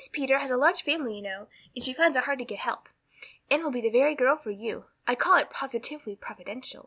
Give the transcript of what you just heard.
Peter has a large family, you know, and she finds it hard to get help. Anne will be the very girl for you. I call it positively providential."